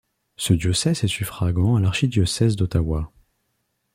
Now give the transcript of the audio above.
Ce diocèse est suffragant à l'archidiocèse d'Ottawa.